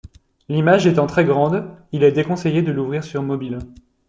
L'image étant très grande, il est déconseillé de l'ouvrir sur mobile.